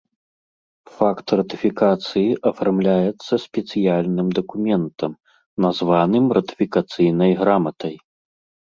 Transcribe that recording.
Факт ратыфікацыі афармляецца спецыяльным дакументам, названым ратыфікацыйнай граматай.